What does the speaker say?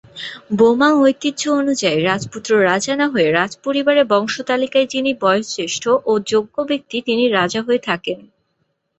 বোমাং ঐতিহ্য অনুযায়ী রাজপুত্র রাজা না হয়ে রাজপরিবারের বংশতালিকায় যিনি বয়োজ্যেষ্ঠ ও যোগ্য ব্যক্তি তিনি রাজা হয়ে থাকেন।